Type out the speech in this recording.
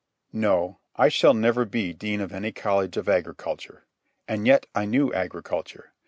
No; I shall never be Dean of any college of agriculture. And yet I knew agriculture.